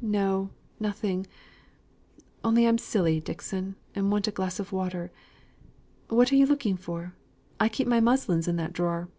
"No, nothing. Only I'm silly, Dixon, and want a glass of water. What are you looking for? I keep my muslins in that drawer."